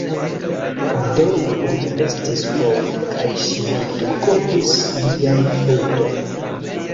Dormo jam estis for, kaj ŝvito kovris lian frunton.